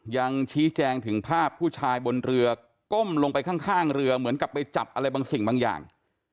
ยังชี้แจงถึงภาพผู้ชายบนเรือก้มลงไปข้างเรือเหมือนกับไปจับอะไรบางสิ่งบางอย่าง